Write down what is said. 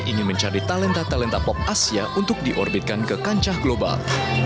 ingin mencari talenta talenta pop asia untuk diorbitkan ke kancah global